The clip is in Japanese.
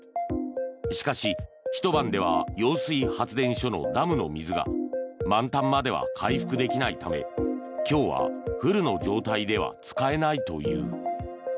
しかし、ひと晩では揚水発電所のダムの水が満タンまでは回復できないため今日はフルの状態では使えないという。